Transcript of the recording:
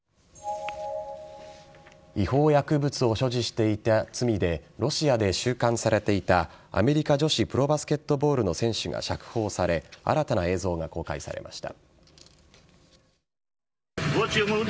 違法薬物を所持していた罪でロシアで収監されていたアメリカ女子プロバスケットボールの選手が釈放され新たな映像が公開されました。